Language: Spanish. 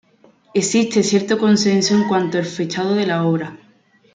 Existe cierto consenso en cuanto al fechado de la obra.